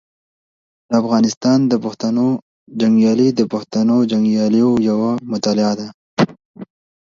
د افغانستان د پښتنو جنګیالي د پښتنو جنګیالیو یوه مطالعه ده.